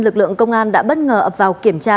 lực lượng công an đã bất ngờ ập vào kiểm tra